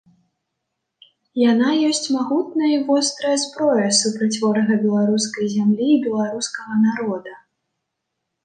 Яна ёсць магутная і вострая зброя супраць ворага беларускай зямлі і беларускага народа.